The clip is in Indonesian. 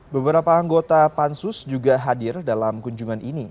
beberapa anggota pansus juga hadir dalam kunjungan ini